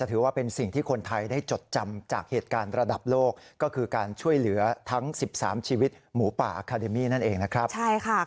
ศักดิ์ศรัทธาไม่เคยมายมี